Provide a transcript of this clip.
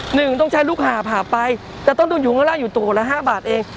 หนึ่งต้องใช้ลูกหาผ่าผ่าไปแต่ต้นทุนอยู่ข้างล่างอยู่ตัวละห้าบาทเอง